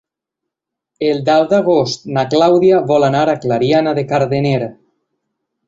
El deu d'agost na Clàudia vol anar a Clariana de Cardener.